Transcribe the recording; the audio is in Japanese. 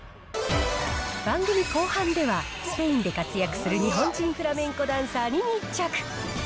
番組後半では、スペインで活躍する日本人フラメンコダンサーに密着。